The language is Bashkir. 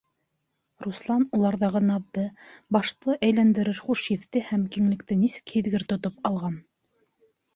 Руслан уларҙағы наҙҙы, башты әйләндерер хуш еҫте һәм киңлекте нисек һиҙгер тотоп алған...